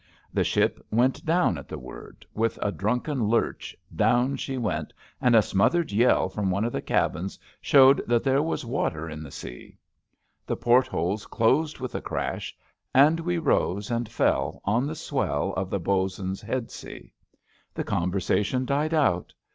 The ship went down at the word — ^with a drunken lurch down she went, and a smothered yell from one of the cabins showed that there was water in the IT! 75 sea. The portholes closed with a clash, and we rose and fell on the swell of the bo 'sun's head sea. The conversation died out.